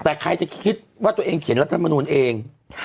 แต่ใครจะคิดว่าตัวเองเขียนรัฐมนูลเอง